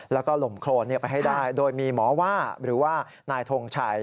แล้วก็หล่มโครนไปให้ได้โดยมีหมอว่าหรือว่านายทงชัย